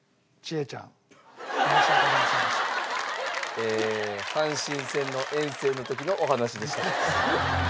えー阪神戦の遠征の時のお話でした。